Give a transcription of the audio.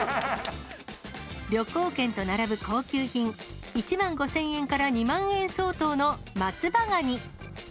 旅行券と並ぶ高級品、１万５０００円から２万円相当の松葉がに。